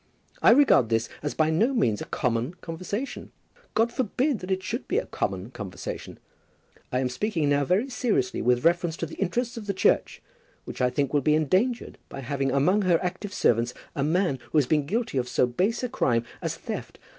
I regard this as by no means a common conversation. God forbid that it should be a common conversation. I am speaking now very seriously with reference to the interests of the Church, which I think will be endangered by having among her active servants a man who has been guilty of so base a crime as theft.